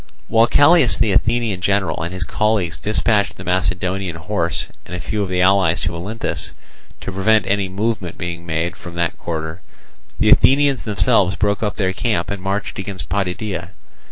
While Callias the Athenian general and his colleagues dispatched the Macedonian horse and a few of the allies to Olynthus, to prevent any movement being made from that quarter, the Athenians themselves broke up their camp and marched against Potidæa.